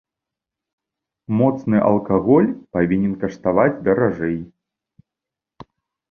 Моцны алкаголь павінен каштаваць даражэй.